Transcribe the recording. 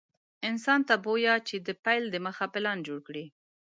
انسان ته بويه چې د پيل دمخه پلان جوړ کړي.